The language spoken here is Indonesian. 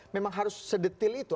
memang harus sedetil itu